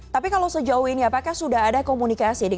tapi kalau sejauh ini apakah sudah ada komunikasi